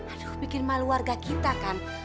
aduh bikin malu warga kita kan